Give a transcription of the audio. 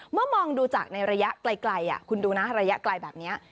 มองดูจากในระยะไกลคุณดูนะระยะไกลแบบนี้